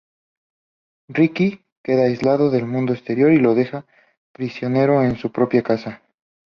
Ricky queda aislado del mundo exterior y lo deja prisionero en su propia casa.